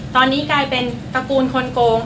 ตอนนี้กลายเป็นตระกูลคนโกง